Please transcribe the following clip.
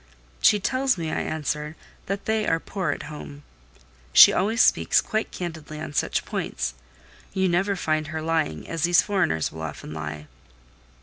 "She tells me," I answered, "that they are poor at home; she always speaks quite candidly on such points: you never find her lying, as these foreigners will often lie.